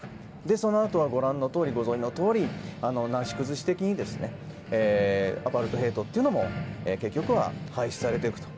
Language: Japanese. そのあとは、ご存じのとおりなし崩し的にアパルトヘイトというのも結局は廃止されていくと。